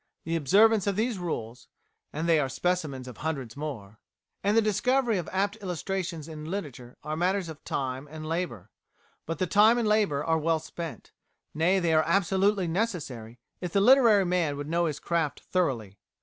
The observance of these rules (and they are specimens of hundreds more) and the discovery of apt illustrations in literature are matters of time and labour. But the time and labour are well spent nay, they are absolutely necessary if the literary man would know his craft thoroughly.